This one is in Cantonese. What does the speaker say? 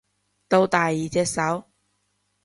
到第二隻手